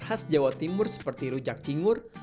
khas jawa timur seperti rujak cingur